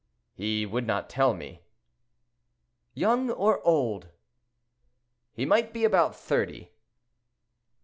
"He would not tell me." "Young or old?" "He might be about thirty."